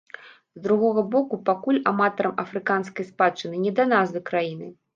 З другога боку, пакуль аматарам афрыканскай спадчыны не да назвы краіны.